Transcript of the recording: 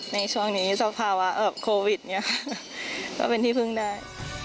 ในช่วงนี้สภาวะโควิดเนี่ยค่ะก็เป็นที่พึ่งได้